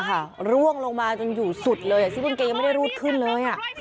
ร่วงลงมาจนอยู่สุดเลยซี่กางเกงยังไม่ได้รูดขึ้นเลย